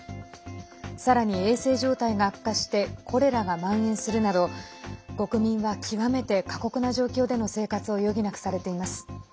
さらに衛生状態が悪化してコレラがまん延するなど国民は極めて過酷な状況での生活を余儀なくされています。